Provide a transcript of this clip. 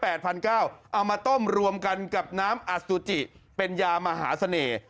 เอามาต้มรวมกันกับน้ำอสุจิเป็นยามหาเสน่ห์